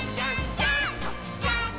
ジャンプ！！」